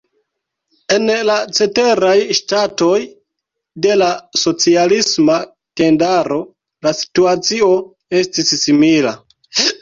En la ceteraj ŝtatoj de la socialisma tendaro la situacio estis simila.